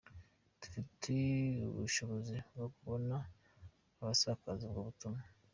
Dufite ubushobozi bwo kubona abasakaza ubwo butumwa.